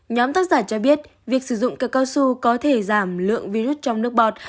nhóm tác giả cho biết việc sử dụng cây cao su có thể giảm lượng virus trong nước bọt